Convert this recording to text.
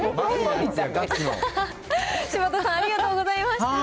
柴田さん、ありがとうございました。